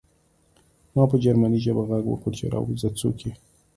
ما په جرمني ژبه غږ وکړ چې راوځه څوک یې